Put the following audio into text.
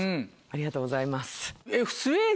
ありがとうございます。